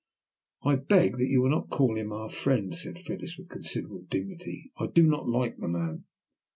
"I beg that you will not call him our friend," said Phyllis with considerable dignity. "I do not like the man."